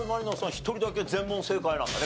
一人だけ全問正解なんだね